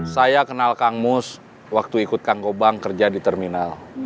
saya kenal kang mus waktu ikut kang kobang kerja di terminal